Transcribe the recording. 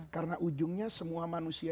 karena ujungnya semua manusia